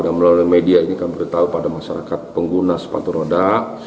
dan melalui media ini kami beritahu pada masyarakat pengguna sepatu roda